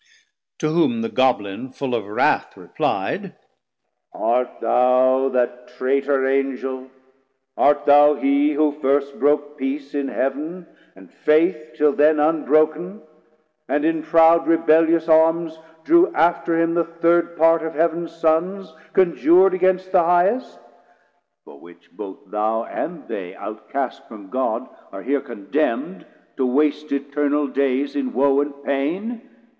To whom the Goblin full of wrauth reply'd, Art thou that Traitor Angel, art thou hee, Who first broke peace in Heav'n and Faith, till then 690 Unbrok'n, and in proud rebellious Arms Drew after him the third part of Heav'ns Sons Conjur'd against the highest, for which both Thou And they outcast from God, are here condemn'd To waste Eternal daies in woe and pain?